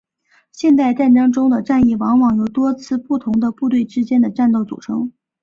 现代战争中的战役往往由多次不同的部队之间的战斗组成。